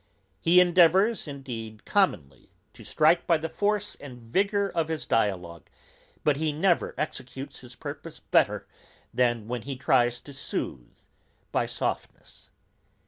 He endeavours indeed commonly to strike by the force and vigour of his dialogue, but he never executes his purpose better, than when he tries to sooth by softness.